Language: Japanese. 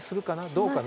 どうかな？